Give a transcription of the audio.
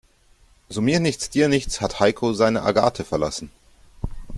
So mir nichts, dir nichts hat Heiko seine Agathe verlassen.